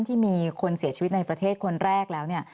ที่มีคนเสียชีวิตในประเทศคนแรกแล้วเนี่ย